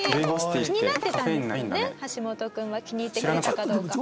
橋本君は気に入ってくれたかどうか。